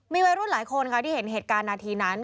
มีวัยรุ่นหลายคนค่ะที่เห็นเหตุการณ์นาทีนั้น